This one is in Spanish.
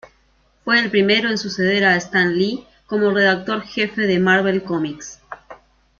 Fue el primero en suceder a Stan Lee como redactor jefe de Marvel Comics.